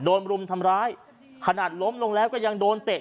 รุมทำร้ายขนาดล้มลงแล้วก็ยังโดนเตะ